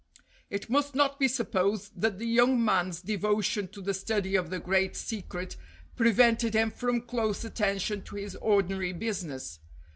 It must not be supposed that the young man's de votion to the study of the great secret prevented him from close attention to his ordinary business.